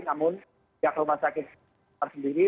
namun pihak rumah sakit sendiri